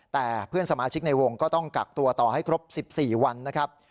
แต่เพื่อนสมาชิกในวงก็ต้องกักตัวต่อให้ครบ๑๔วันนะครับ